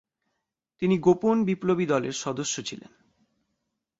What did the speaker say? তিনি গোপন বিপ্লবী দলের সদস্য ছিলেন।